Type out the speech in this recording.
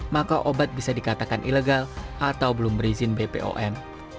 maka obat bisa dikatakan ilegal atau belum berizin bpom